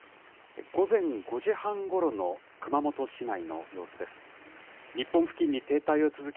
午前５時半ごろの熊本市内の様子です。